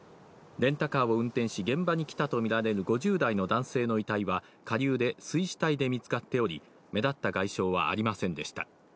レンタカーを運転し、現場に来たと見られる５０代の男性の遺体は下流で水死体で見つかっており、目立った外傷はありませんでした。